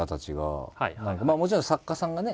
もちろん作家さんがね